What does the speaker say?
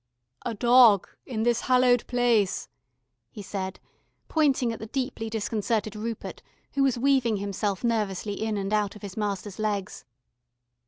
"A dog in this hallowed place," he said, pointing at the deeply disconcerted Rupert who was weaving himself nervously in and out of his master's legs.